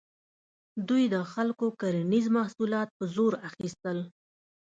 دوی د خلکو کرنیز محصولات په زور اخیستل.